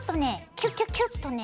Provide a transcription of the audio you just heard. キュッキュッキュッとね